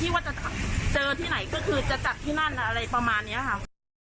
ว่าจะเจอที่ไหนก็คือจะจัดที่นั่นอะไรประมาณนี้ค่ะ